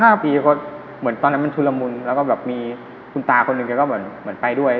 ครับพี่ก็เหมือนตอนนั้นมันชุนละมุนแล้วก็แบบมีคุณตาคนหนึ่งก็เหมือนไปด้วย